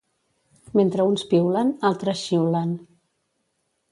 Mentre uns piulen, altres xiulen.